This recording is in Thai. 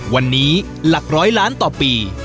วันนี้หลักร้อยล้านต่อปี